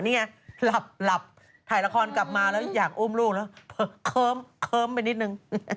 นี่ไงหลับถ่ายละครกลับมาแล้วอยากอุ้มลูกแล้วเคิ้มไปนิดนึง